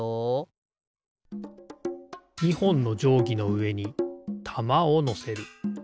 ２ほんのじょうぎのうえにたまをのせる。